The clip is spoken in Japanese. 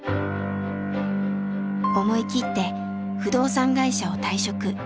思い切って不動産会社を退職。